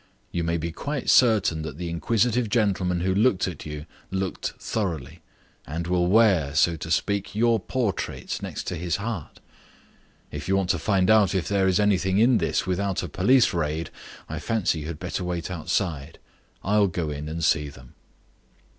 You may be quite certain that the inquisitive gentleman who looked at you looked thoroughly, and will wear, so to speak, your portraits next to his heart. If you want to find out if there is anything in this without a police raid I fancy you had better wait outside. I'll go in and see them."